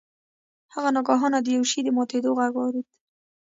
هغه ناگهانه د یو شي د ماتیدو غږ واورید.